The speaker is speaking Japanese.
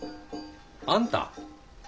あんた？